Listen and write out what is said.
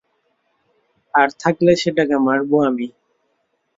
আর থাকলে, সেটাকে মারবো আমি।